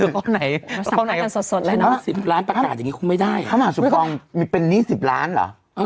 คำหาสุขมีเป็นนี้๑๐ล้านเหรอ